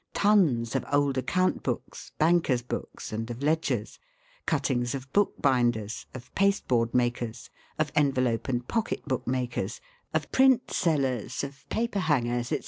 Tons of old account books, bankers' books, and of ledgers ; cuttings of bookbinders, of paste board makers, of envelope and pocket book makers, of print sellers, of paper hangers, &c.